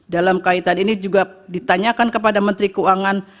dalam kaitan ini juga ditanyakan kepada menteri keuangan